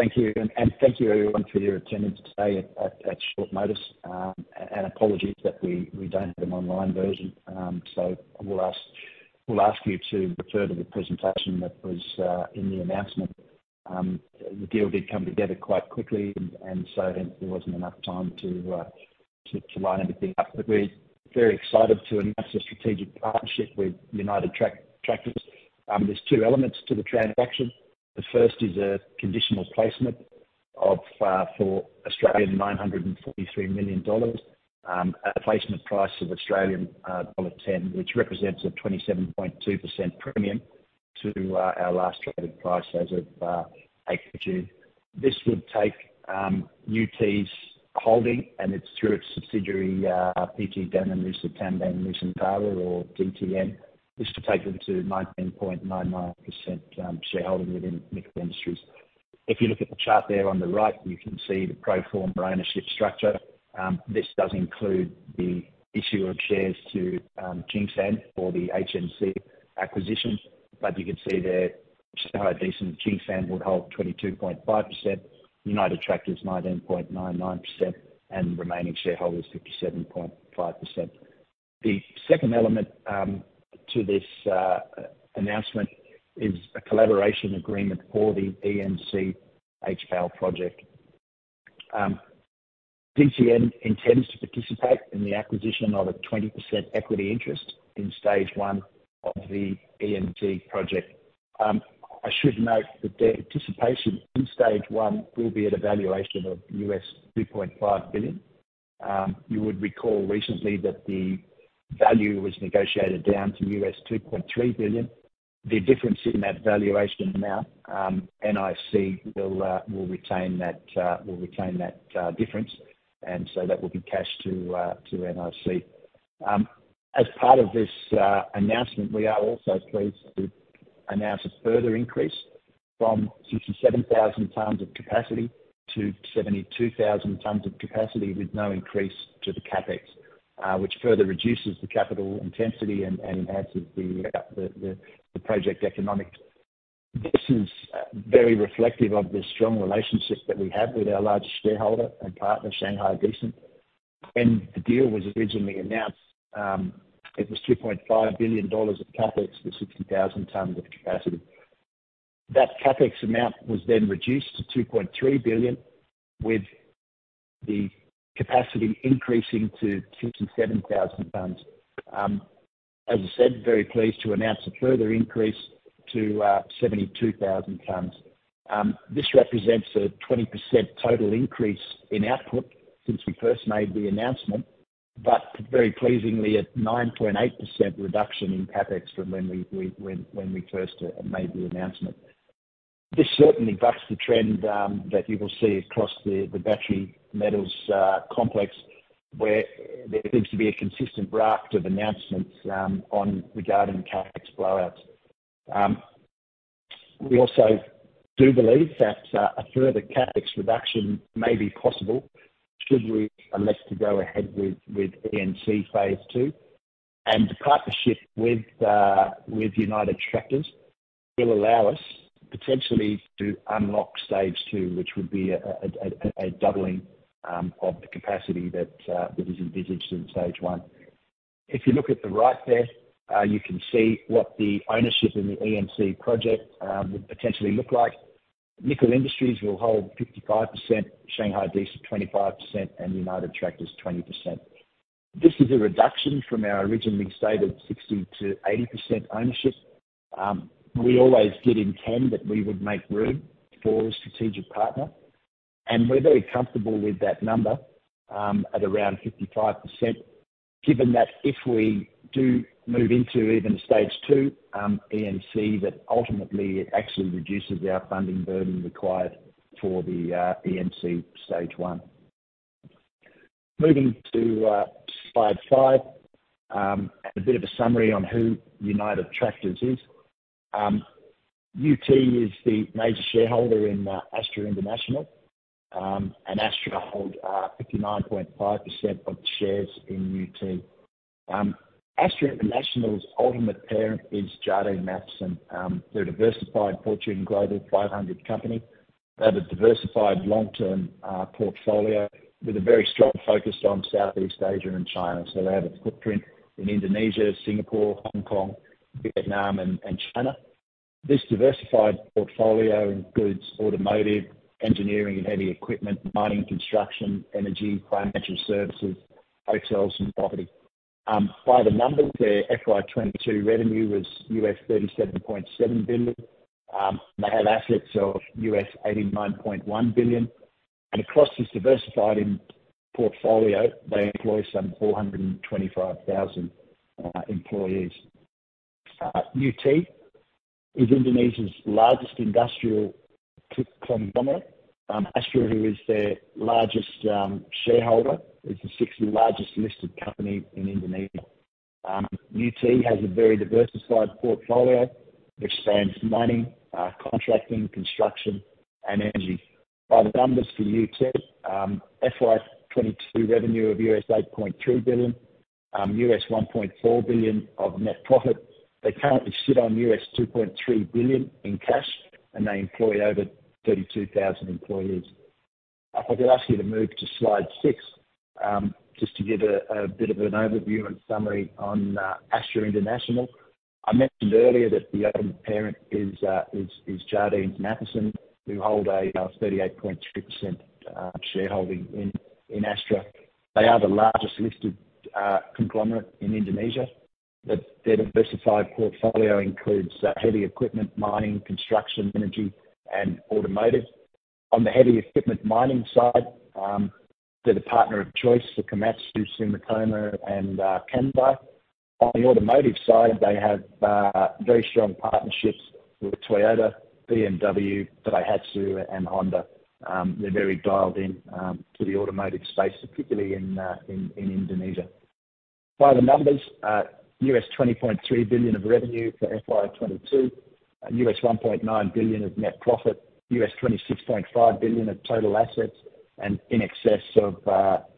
Thank you, and thank you everyone for your attendance today at short notice. Apologies that we don't have an online version. We'll ask you to refer to the presentation that was in the announcement. The deal did come together quite quickly, there wasn't enough time to line everything up. We're very excited to announce a strategic partnership with United Tractors. There's two elements to the transaction. The first is a conditional placement for 943 million Australian dollars, at a placement price of Australian dollar 1.10, which represents a 27.2% premium to our last traded price as of April 2. This would take UT's holding, and it's through its subsidiary, PT Danusa Tambang Nusantara, or DTN. This should take them to 19.99% shareholding within Nickel Industries. If you look at the chart there on the right, you can see the pro forma ownership structure. This does include the issue of shares to Jinxin for the HNC acquisition. You can see there, Shanghai Decent, Jinxin would hold 22.5%, United Tractors, 19.99%, and remaining shareholders, 57.5%. The second element to this announcement is a collaboration agreement for the ENC HPAL project. DTN intends to participate in the acquisition of a 20% equity interest in stage one of the ENC project. I should note that their participation in Stage 1 will be at a valuation of U.S. $2.5 billion. You would recall recently that the value was negotiated down to U.S. $2.3 billion. The difference in that valuation amount, NIC will retain that difference, that will be cash to NIC. As part of this announcement, we are also pleased to announce a further increase from 67,000 tons of capacity to 72,000 tons of capacity, with no increase to the CapEx, which further reduces the capital intensity and enhances the project economics. This is very reflective of the strong relationship that we have with our largest shareholder and partner, Shanghai Decent. When the deal was originally announced, it was $2.5 billion of CapEx for 60,000 tons of capacity. That CapEx amount was then reduced to $2.3 billion, with the capacity increasing to 67,000 tons. As I said, very pleased to announce a further increase to 72,000 tons. This represents a 20% total increase in output since we first made the announcement, but very pleasingly, a 9.8% reduction in CapEx from when we first made the announcement. This certainly bucks the trend that you will see across the battery metals complex, where there seems to be a consistent raft of announcements on regarding CapEx blowouts. We also do believe that a further CapEx reduction may be possible should we elect to go ahead with ENC phase 2. The partnership with United Tractors will allow us potentially to unlock stage two, which would be a doubling of the capacity that is envisaged in stage one. If you look at the right there, you can see what the ownership in the ENC project would potentially look like. Nickel Industries will hold 55%, Shanghai Decent, 25%, and United Tractors, 20%. This is a reduction from our originally stated 60%-80% ownership. We always did intend that we would make room for a strategic partner, we're very comfortable with that number, at around 55%, given that if we do move into even stage 2, ENC, that ultimately it actually reduces our funding burden required for the ENC stage 1. Moving to slide five, a bit of a summary on who United Tractors is. UT is the major shareholder in Astra International, Astra hold 59.5% of the shares in UT. Astra International's ultimate parent is Jardine Matheson. They're a diversified Fortune Global 500 company. They have a diversified long-term portfolio with a very strong focus on Southeast Asia and China. They have a footprint in Indonesia, Singapore, Hong Kong, Vietnam, and China. This diversified portfolio includes automotive, engineering, and heavy equipment, mining, construction, energy, financial services, hotels, and property. By the numbers, their FY 2022 revenue was $37.7 billion. They have assets of $89.1 billion, and across this diversified portfolio, they employ some 425,000 employees. UT is Indonesia's largest industrial conglomerate. Astra, who is their largest shareholder, is the 6th largest listed company in Indonesia. UT has a very diversified portfolio, which spans mining, contracting, construction, and energy. By the numbers for UT, FY 2022 revenue of $8.3 billion, $1.4 billion of net profit. They currently sit on $2.3 billion in cash, and they employ over 32,000 employees. If I could ask you to move to slide six, just to give a bit of an overview and summary on Astra International. I mentioned earlier that the ultimate parent is Jardine Matheson, who hold a 38.2% shareholding in Astra. They are the largest listed conglomerate in Indonesia. Their diversified portfolio includes heavy equipment, mining, construction, energy, and automotive. On the heavy equipment mining side, they're the partner of choice for Komatsu, Sumitomo, and Canbei. On the automotive side, they have very strong partnerships with Toyota, BMW, Daihatsu, and Honda. They're very dialed in to the automotive space, particularly in Indonesia. By the numbers, $20.3 billion of revenue for FY22, $1.9 billion of net profit, $26.5 billion of total assets, and in excess of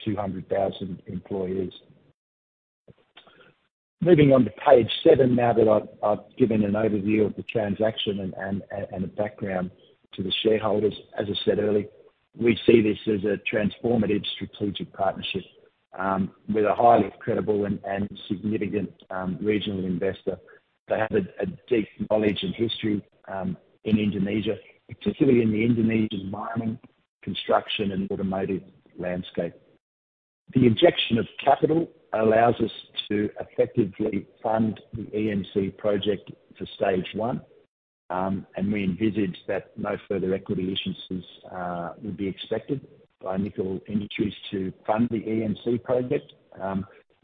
200,000 employees. Moving on to page seven, now that I've given an overview of the transaction and the background to the shareholders. As I said earlier, we see this as a transformative strategic partnership with a highly credible and significant regional investor. They have a deep knowledge and history in Indonesia, particularly in the Indonesian mining, construction, and automotive landscape. The injection of capital allows us to effectively fund the ENC project for Stage 1, and we envisage that no further equity issuances would be expected by Nickel Industries to fund the ENC project.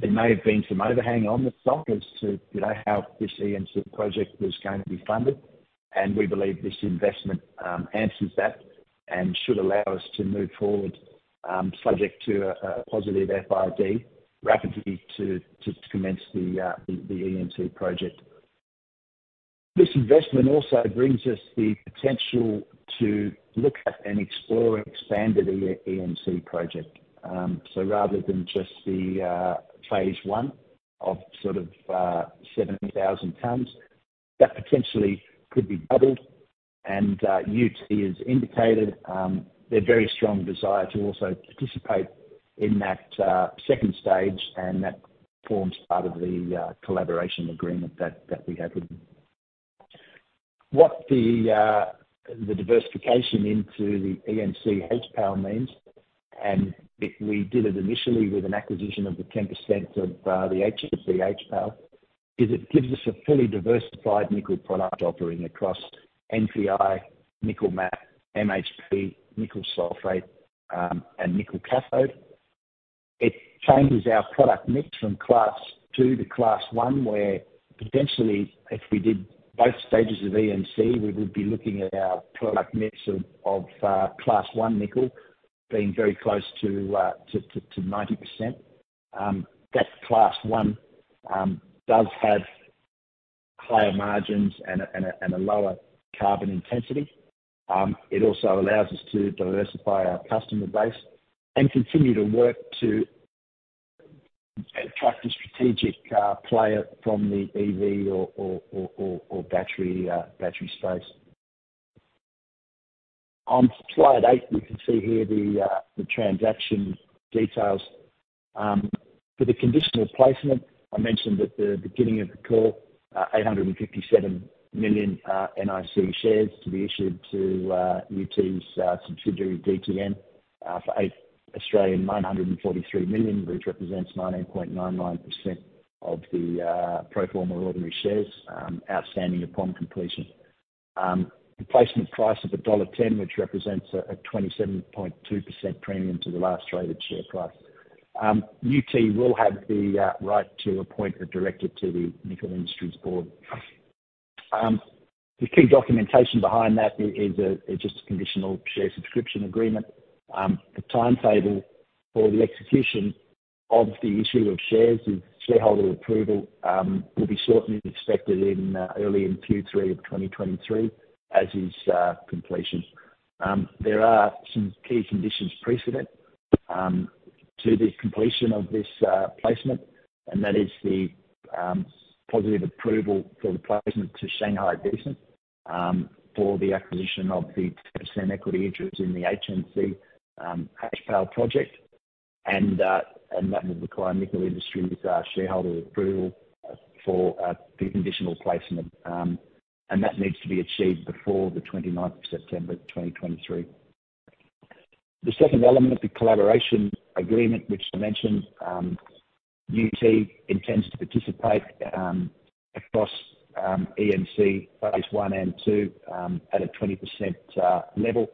There may have been some overhang on the stock as to, you know, how this ENC project was going to be funded. We believe this investment answers that and should allow us to move forward, subject to a positive FID, rapidly to commence the ENC project. This investment also brings us the potential to look at and explore an expanded ENC project. Rather than just the phase 1 of sort of 70,000 tons, that potentially could be doubled. UT has indicated their very strong desire to also participate in that second stage. That forms part of the collaboration agreement that we have with them. What the diversification into the ENC HPAL means, and if we did it initially with an acquisition of the 10% of the HPAL, is it gives us a fully diversified nickel product offering across NPI, nickel matte, MHP, nickel sulphate, and nickel cathode. It changes our product mix from Class 2 to Class 1, where potentially, if we did both stages of ENC, we would be looking at our product mix of Class 1 nickel being very close to 90%. That Class 1 does have higher margins and a lower carbon intensity. It also allows us to diversify our customer base and continue to work to attract a strategic player from the EV or battery space. On slide eight, you can see here the transaction details. For the conditional placement, I mentioned at the beginning of the call, 857 million NIC shares to be issued to UT's subsidiary, DTN, for 943 million, which represents 19.99% of the pro forma ordinary shares outstanding upon completion. The placement price of dollar 1.10, which represents a 27.2% premium to the last traded share price. UT will have the right to appoint a director to the Nickel Industries board. The key documentation behind that is just a conditional share subscription agreement. The timetable for the execution of the issue of shares is shareholder approval will be shortly expected in early in Q3 of 2023, as is completion. There are some key conditions precedent to the completion of this placement, and that is the positive approval for the placement to Shanghai Decent for the acquisition of the % equity interest in the HNC HPAL project, and that will require Nickel Industries shareholder approval for the conditional placement. That needs to be achieved before the 29th of September, 2023. The second element of the collaboration agreement, which I mentioned, UT intends to participate across ENC, phase 1 and 2, at a 20% level.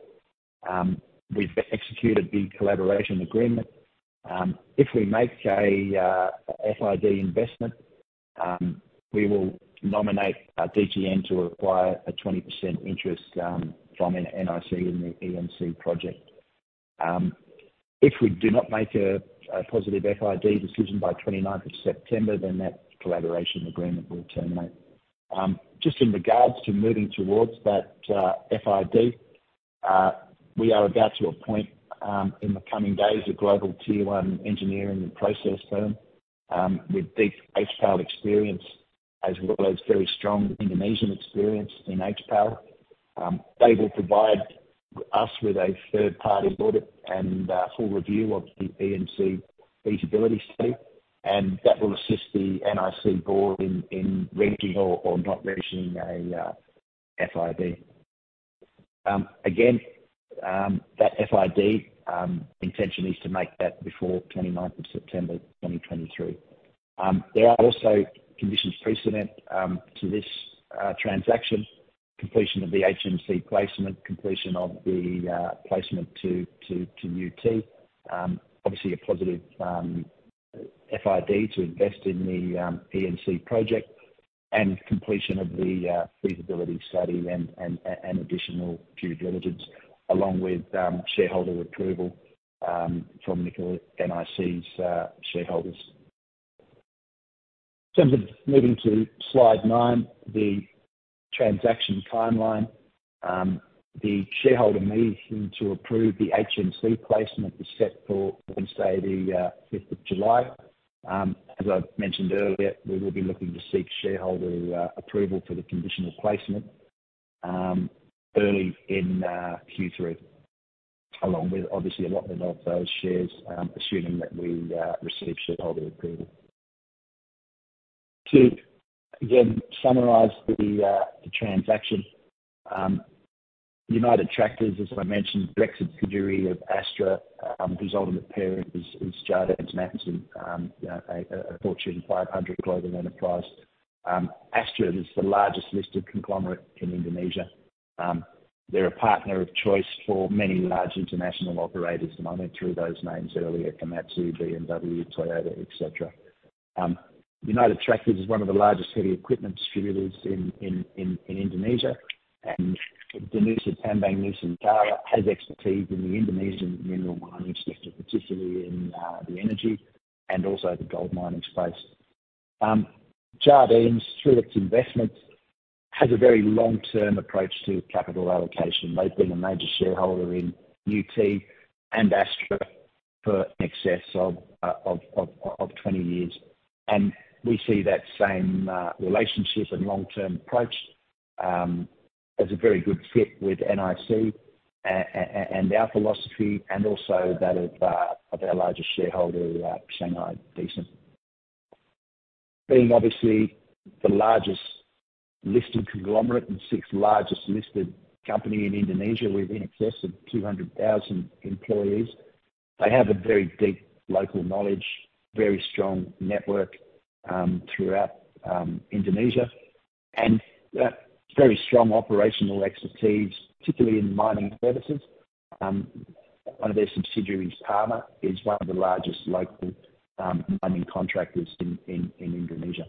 We've executed the collaboration agreement. If we make a FID investment, we will nominate DTN to acquire a 20% interest from NIC in the ENC project. If we do not make a positive FID decision by 29th of September, that collaboration agreement will terminate. Just in regards to moving towards that FID. We are about to appoint in the coming days, a global tier one engineering and process firm with deep HPAL experience, as well as very strong Indonesian experience in HPAL. They will provide us with a third-party audit and full review of the ENC feasibility study, and that will assist the NIC board in ranking or not ranking a FID. Again, that FID intention is to make that before 29th of September, 2023. There are also conditions precedent to this transaction: completion of the HNC placement, completion of the placement to UT. Obviously a positive FID to invest in the ENC project, and completion of the feasibility study and additional due diligence, along with shareholder approval from Nickel Industries, NIC's shareholders. In terms of moving to slide nine, the transaction timeline. The shareholder meeting to approve the HNC placement is set for Wednesday, the 5th of July. As I've mentioned earlier, we will be looking to seek shareholder approval for the conditional placement early in Q3, along with obviously, allotment of those shares assuming that we receive shareholder approval. To again summarize the transaction. United Tractors, as I mentioned, a subsidiary of Astra, whose ultimate parent is Jardine Matheson, a Fortune Global 500 global enterprise. Astra is the largest listed conglomerate in Indonesia. They're a partner of choice for many large international operators, and I went through those names earlier, Komatsu, BMW, Toyota, et cetera. United Tractors is one of the largest heavy equipment distributors in Indonesia, and Danusa Tambang Nusantara has expertise in the Indonesian mineral mining sector, particularly in the energy and also the gold mining space. Jardine, through its investment, has a very long-term approach to capital allocation. They've been a major shareholder in UT and Astra for in excess of 20 years. We see that same relationship and long-term approach as a very good fit with NIC and our philosophy, and also that of our largest shareholder, Shanghai Decent. Being obviously the largest listed conglomerate and sixth-largest listed company in Indonesia, with in excess of 200,000 employees, they have a very deep local knowledge, very strong network throughout Indonesia, and very strong operational expertise, particularly in mining services. One of their subsidiaries, PAMA, is one of the largest local mining contractors in Indonesia.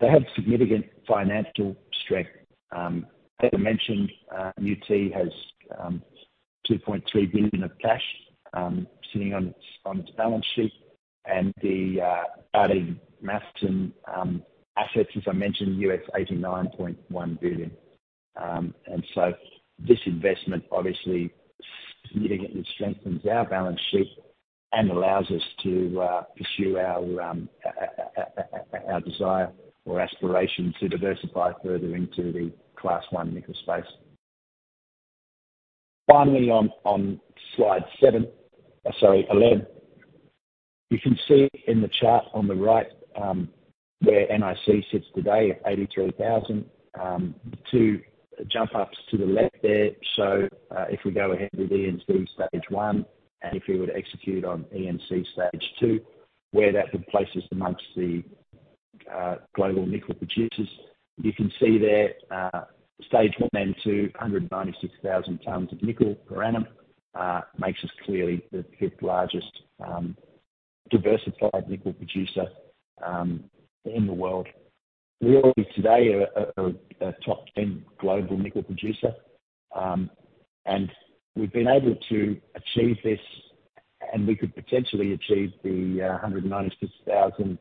They have significant financial strength. As I mentioned, UT has $2.3 billion of cash sitting on its balance sheet, and the Jardine Matheson assets, as I mentioned, $89.1 billion. This investment obviously significantly strengthens our balance sheet and allows us to pursue our desire or aspiration to diversify further into the Class 1 nickel space. Finally, on slide 11. You can see in the chart on the right, where NIC sits today at 83,000, two jump ups to the left there. If we go ahead with ENC Stage 1, and if we were to execute on ENC Stage 2, where that would place us amongst the global nickel producers. You can see there, Stage 1 and 2, 196,000 tons of nickel per annum, makes us clearly the fifth-largest diversified nickel producer in the world. We are already today a top 10 global nickel producer. We've been able to achieve this, and we could potentially achieve the 196,000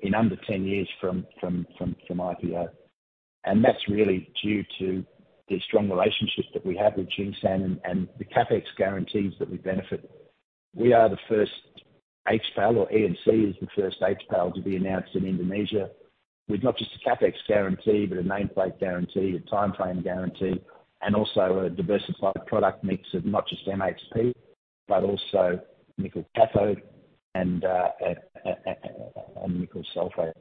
in under 10 years from IPO. That's really due to the strong relationships that we have with Tsingshan and the CapEx guarantees that we benefit. We are the first HPAL or ENC is the first HPAL to be announced in Indonesia with not just a CapEx guarantee, but a nameplate guarantee, a timeframe guarantee, and also a diversified product mix of not just MHP, but also nickel cathode and nickel sulfate.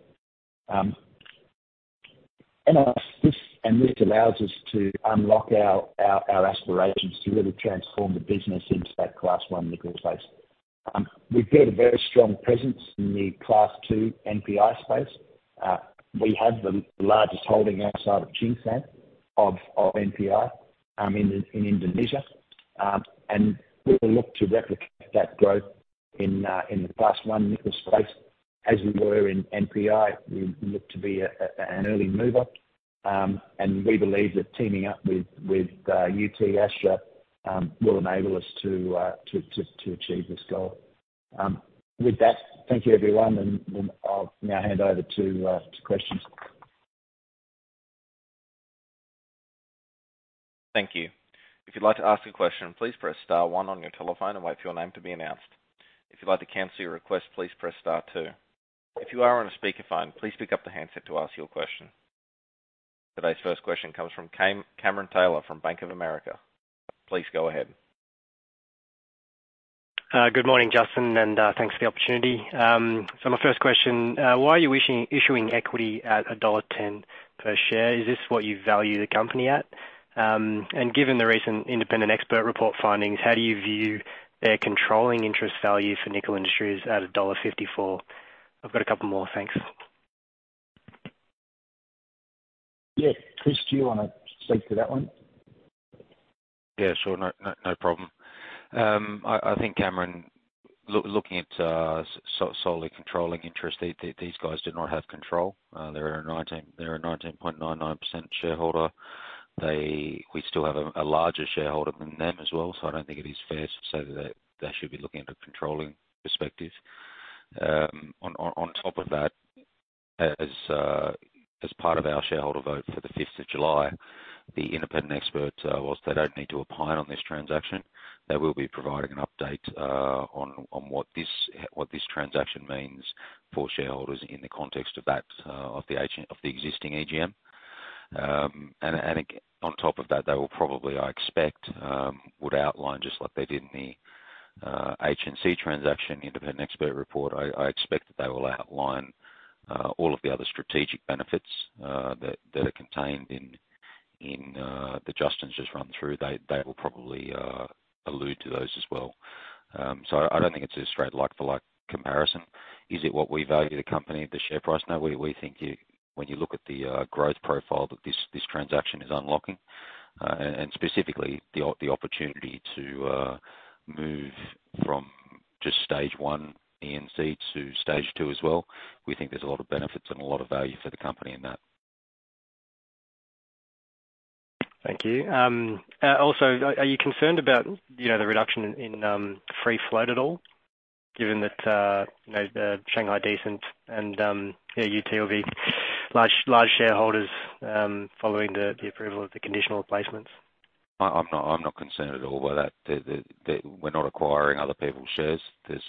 This allows us to unlock our aspirations to really transform the business into that Class 1 nickel space. We've got a very strong presence in the Class 2 NPI space. We have the largest holding outside of Tsingshan, of NPI in Indonesia. We will look to replicate that growth in the Class 1 nickel space. As we were in NPI, we look to be an early mover, and we believe that teaming up with UT Astra will enable us to achieve this goal. With that, thank you, everyone, and I'll now hand over to questions. Thank you. If you'd like to ask a question, please press star one on your telephone and wait for your name to be announced. If you'd like to cancel your request, please press star two. If you are on a speakerphone, please pick up the handset to ask your question. Today's first question comes from Cameron Taylor from Bank of America. Please go ahead. Good morning, Justin, and thanks for the opportunity. My first question, why are you issuing equity at $1.10 per share? Is this what you value the company at? Given the recent Independent Expert Report findings, how do you view their controlling interest value for Nickel Industries at $1.54? I've got a couple more. Thanks. Yeah. Chris, do you want to speak to that one? Yeah, sure. No problem. I think, Cameron, looking at solely controlling interest, these guys do not have control. They're a 19.99% shareholder. We still have a larger shareholder than them as well, so I don't think it is fair to say that they should be looking at a controlling perspective. On top of that, as part of our shareholder vote for the 5th of July, the independent expert, whilst they don't need to opine on this transaction, they will be providing an update on what this transaction means for shareholders in the context of the existing AGM. On top of that, they will probably, I expect, would outline, just like they did in the HNC transaction, Independent Expert Report. I expect that they will outline all of the other strategic benefits that are contained in that Justin's just run through. They will probably allude to those as well. I don't think it's a straight like-for-like comparison. Is it what we value the company, the share price? No. We think when you look at the growth profile that this transaction is unlocking, and specifically the opportunity to move from just stage one ENC to stage two as well, we think there's a lot of benefits and a lot of value for the company in that. Thank you. Also, are you concerned about, you know, the reduction in free float at all, given that, you know, Shanghai Decent and UT will be large shareholders, following the approval of the conditional replacements? I'm not concerned at all by that. We're not acquiring other people's shares. There's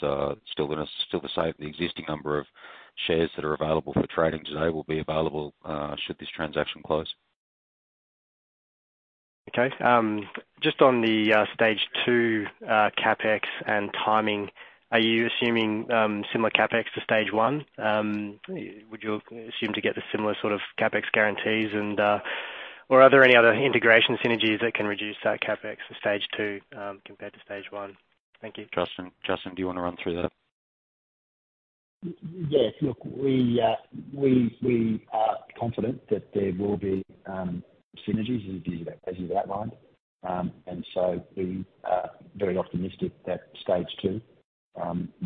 still the same, the existing number of shares that are available for trading today will be available, should this transaction close. Okay. Just on the stage two CapEx and timing, are you assuming similar CapEx to stage one? Would you assume to get the similar sort of CapEx guarantees? Are there any other integration synergies that can reduce that CapEx for stage two compared to stage one? Thank you. Justin, do you want to run through that? Yes. Look, we are confident that there will be synergies, as you've outlined. We are very optimistic that stage two,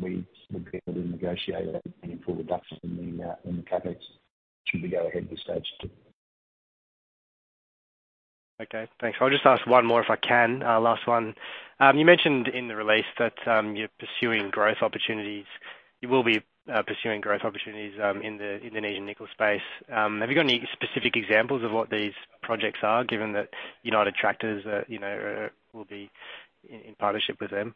we would be able to negotiate a full reduction in the CapEx should we go ahead with stage two. Okay, thanks. I'll just ask one more, if I can. Last one. You mentioned in the release that you're pursuing growth opportunities. You will be pursuing growth opportunities in the Indonesian nickel space. Have you got any specific examples of what these projects are, given that United Tractors, you know, will be in partnership with them?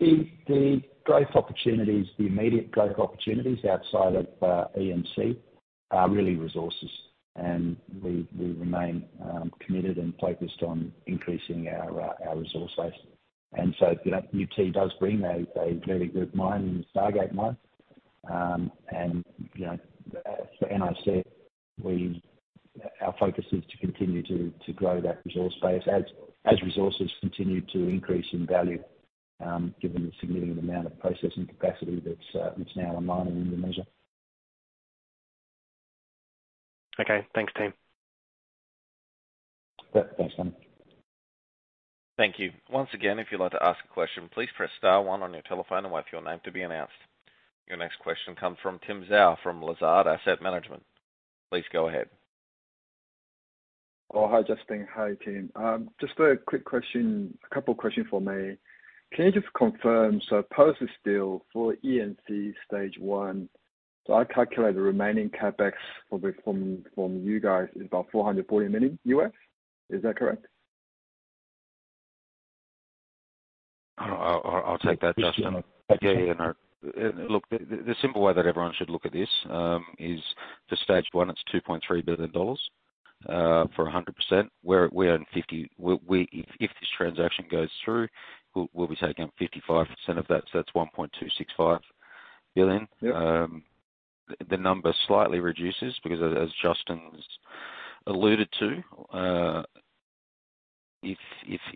The growth opportunities, the immediate growth opportunities outside of ENC, are really resources. We remain committed and focused on increasing our resource base. That UT does bring a very good mine in Stargate Mine. You know, for NIC, our focus is to continue to grow that resource base as resources continue to increase in value, given the significant amount of processing capacity that's now mining in the measure. Okay. Thanks, team. Yep. Thanks, man. Thank you. Once again, if you'd like to ask a question, please press star one on your telephone and wait for your name to be announced. Your next question comes from Tim Zhao from Lazard Asset Management. Please go ahead. Hi, Justin. Hi, team. Just a quick question, a couple of questions for me. Can you just confirm, post this deal for ENC stage one, I calculate the remaining CapEx for you guys is about $440 million. Is that correct? I'll take that, Justin. Yeah, no. Look, the simple way that everyone should look at this is the stage one, it's $2.3 billion for 100%. If this transaction goes through, we'll be taking 55% of that, so that's $1.265 billion. Yep. The number slightly reduces because as Justin's alluded to, if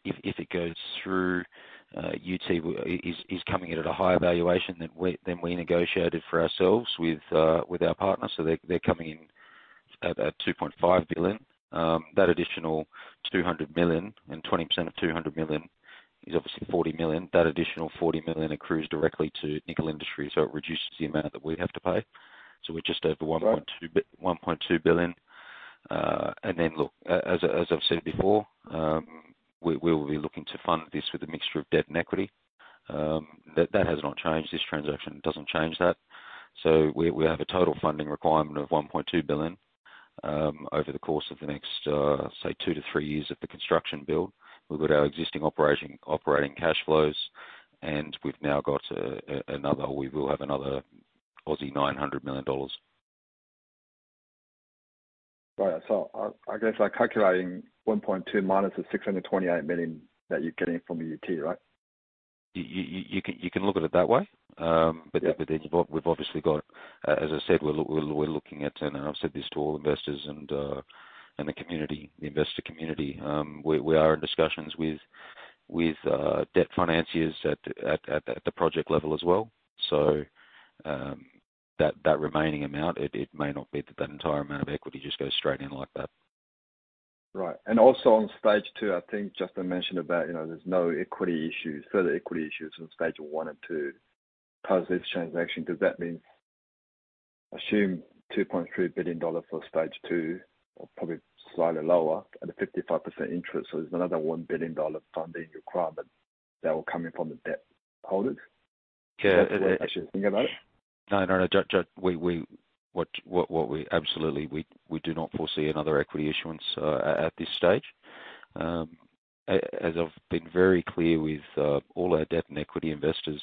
it goes through, UT is coming in at a higher valuation than we, than we negotiated for ourselves with our partners. They're coming in at $2.5 billion. That additional $200 million, and 20% of $200 million is obviously $40 million. That additional $40 million accrues directly to Nickel Industries, so it reduces the amount that we have to pay. Right. $1.2 billion. Then look, as I've said before, we will be looking to fund this with a mixture of debt and equity. That has not changed. This transaction doesn't change that. We have a total funding requirement of $1.2 billion over the course of the next, say, two to three years of the construction build. We've got our existing operating cash flows, and we've now got another. We will have another 900 million Aussie dollars. Right. I guess I'm calculating 1.2 minus the $628 million that you're getting from UT, right? You can look at it that way. We've obviously got, as I said, we're looking at, and I've said this to all investors and the community, the investor community, we are in discussions with debt financiers at the project level as well. That remaining amount, it may not be that the entire amount of equity just goes straight in like that. Right. Also on stage two, I think Justin mentioned about, you know, there's no equity issues, further equity issues in stage one and two. Because this transaction, does that mean, assume $2.3 billion for stage two, or probably slightly lower, and a 55% interest, so there's another $1 billion funding requirement that will come in from the debt holders? Yeah. I should think about it. No, what we absolutely do not foresee another equity issuance at this stage. As I've been very clear with all our debt and equity investors,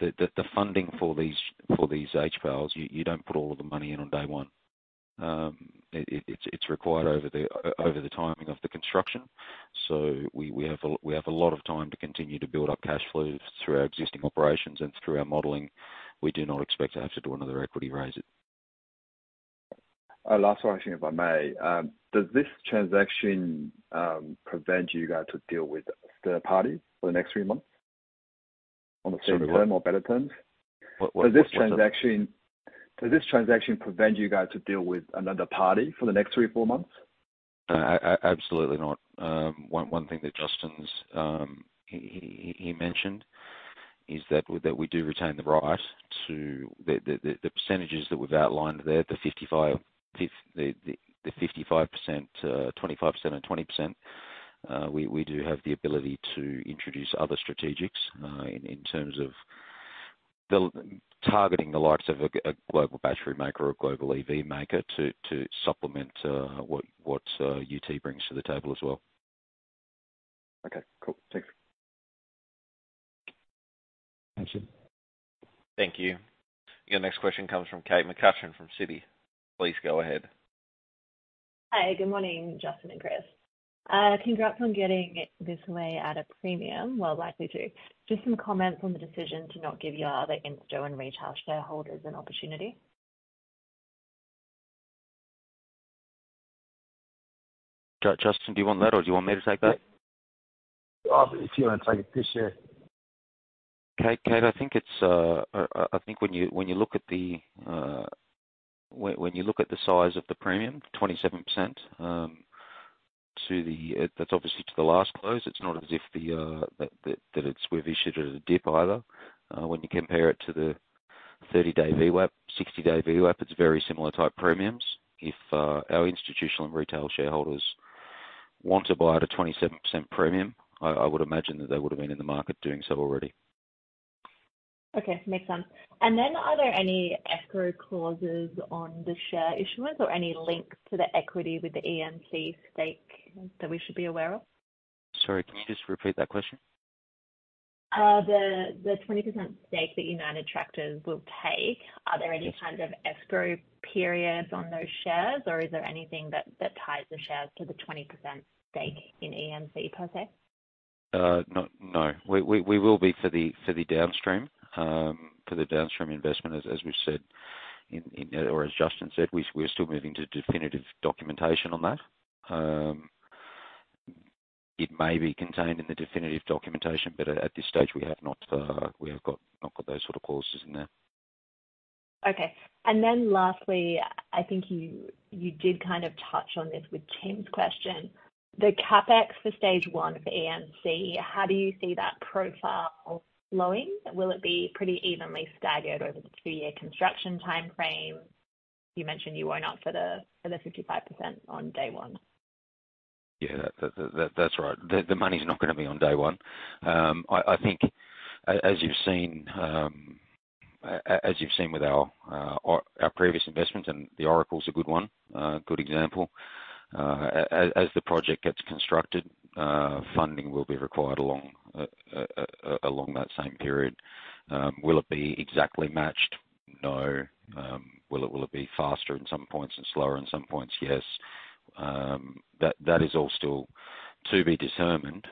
the funding for these HPALs, you don't put all of the money in on day one. It's required over the timing of the construction. We have a lot of time to continue to build up cash flows through our existing operations and through our modeling. We do not expect to have to do another equity raise it. Last one, I think, if I may. Does this transaction prevent you guys to deal with third party for the next three months on the same term or better terms? What. Does this transaction prevent you guys to deal with another party for the next three or four months? Absolutely not. One thing that Justin's mentioned is that we do retain the right to the percentages that we've outlined there, the 55%, 25% and 20%, we do have the ability to introduce other strategics in terms of targeting the likes of a global battery maker or a global EV maker to supplement what UT brings to the table as well. Okay, cool. Thanks. Thank you. Thank you. Your next question comes from Kate McCutcheon, from Citi. Please go ahead. Hi, good morning, Justin and Chris. Congrats on getting it this way at a premium, well, likely to. Just some comments on the decision to not give your other insto and retail shareholders an opportunity. Justin, do you want that, or do you want me to take that? If you want to take it, please, sure. Kate, I think it's. I think when you look at the, when you look at the size of the premium, 27%. That's obviously to the last close, it's not as if the, that it's we've issued at a dip either. When you compare it to the 30-day VWAP, 60-day VWAP, it's very similar type premiums. If our institutional and retail shareholders want to buy at a 27% premium, I would imagine that they would have been in the market doing so already. Okay, makes sense. Are there any escrow clauses on the share issuance or any links to the equity with the ENC stake that we should be aware of? Sorry, can you just repeat that question? The 20% stake that United Tractors will take, are there any kind of escrow periods on those shares, or is there anything that ties the shares to the 20% stake in ENC per se? No, no. We will be for the downstream, for the downstream investment, as we've said, in or as Justin said, we're still moving to definitive documentation on that. It may be contained in the definitive documentation, but at this stage we have not got those sort of clauses in there. Okay. Lastly, I think you did kind of touch on this with Tim's question. The CapEx for stage one of ENC, how do you see that profile flowing? Will it be pretty evenly staggered over the two-year construction timeframe? You mentioned you won't opt for the 55% on day one. Yeah, that's right. The money's not gonna be on day one. I think as you've seen, as you've seen with our previous investment, and the Oracle is a good one, a good example. As the project gets constructed, funding will be required along that same period. Will it be exactly matched? No. Will it be faster in some points and slower in some points? Yes. That, that is all still to be determined.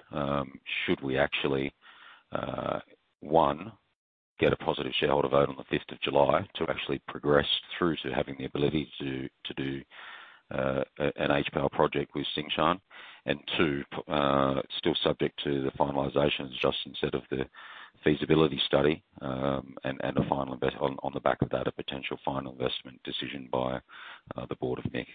Should we actually, one, get a positive shareholder vote on the fifth of July to actually progress through to having the ability to do, an HPAL project with Tsingshan. Two, still subject to the finalization, as Justin said, of the feasibility study, and a potential final investment decision on the back of that, by the board of NIC.